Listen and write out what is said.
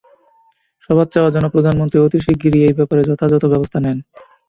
সবার চাওয়া, যেন প্রধানমন্ত্রী অতি শিগগিরই এই ব্যাপারে যথাযথ ব্যবস্থা নেন।